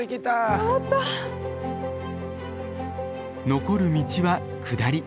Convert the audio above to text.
残る道は下り。